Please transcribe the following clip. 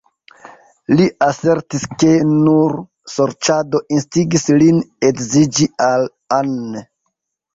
Li asertis ke nur sorĉado instigis lin edziĝi al Anne.